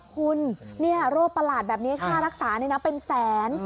คุณโรคประหลาดแบบนี้ค่ารักษานี่นะเป็นแสน